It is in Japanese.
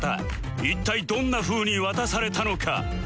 一体どんな風に渡されたのか？